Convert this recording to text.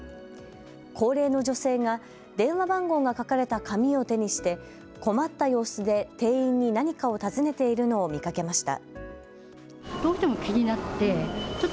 高齢の女性が電話番号が書かれた紙を手にして困った様子で店員に何かを尋ねているのを見かけました。